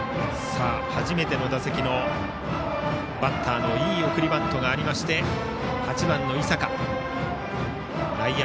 初めての打席のバッターのいい送りバントがありまして打者は８番の井坂。